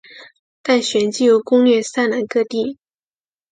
但旋即又攻掠山南各地。